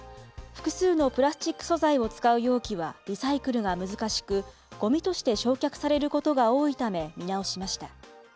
複数のプラスチック素材を使う容器はリサイクルが難しく、ごみとして焼却されることが多いため、見直しました。